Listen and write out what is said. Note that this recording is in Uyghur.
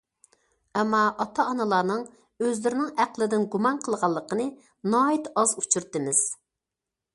ئەمما ئاتا- ئانىلارنىڭ ئۆزلىرىنىڭ ئەقلىدىن گۇمان قىلغانلىقىنى ناھايىتى ئاز ئۇچرىتىمىز.